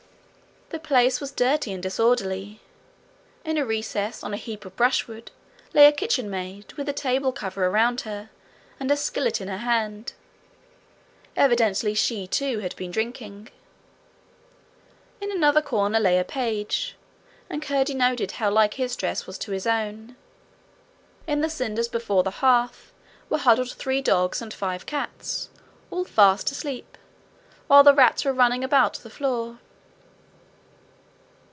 The place was dirty and disorderly. In a recess, on a heap of brushwood, lay a kitchen maid, with a table cover around her, and a skillet in her hand: evidently she too had been drinking. In another corner lay a page, and Curdie noted how like his dress was to his own. In the cinders before the hearth were huddled three dogs and five cats, all fast asleep, while the rats were running about the floor.